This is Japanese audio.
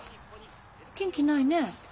元気ないね。